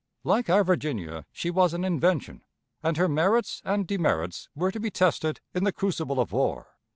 Like our Virginia she was an invention, and her merits and demerits were to be tested in the crucible of war.